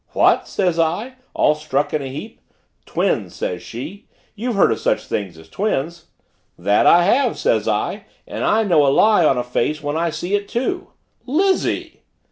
'What?' says I, all struck in a heap. 'Twins,' says she, 'you've heard of such things as twins.' 'That I have,' says I, 'and I know a lie on a face when I see it, too.'" "Lizzie!"